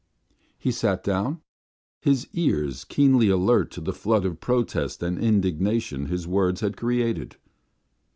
He sat down, his ears keenly alert to the flood of protest and indignation his words had created.